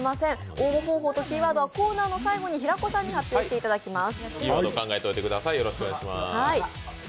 応募方法とキーワードはコーナーの最後に平子さんに発表していただききます。